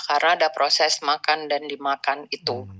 karena ada proses makan dan dimakan itu